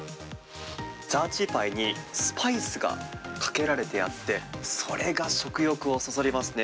ザーチーパイにスパイスがかけられてあって、それが食欲をそそりますね。